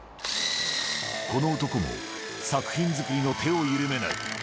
この男も、作品作りの手を緩めない。